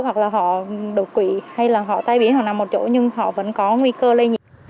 hoặc là họ đột quỵ hay là họ tai biến họ nằm một chỗ nhưng họ vẫn có nguy cơ lây nhiễm